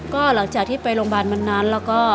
ก็หลังจากที่ไปโรงพยาบาลวันนั้นแล้วก็